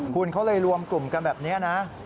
คุณเขาเลยรวมกลุ่มกันแบบนี้นะ